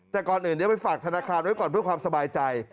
แต่ก่อนอื่นเดี๋ยวไปฝากธนาคารไว้ก่อนเพื่อความสบายใจ